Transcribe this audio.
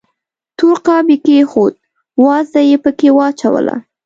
تور قاب یې کېښود، وازده یې پکې واچوله.